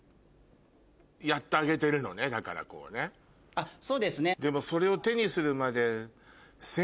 あっそうですね。